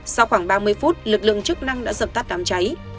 sau khoảng ba mươi phút lực lượng chức năng đã dập tắt đám cháy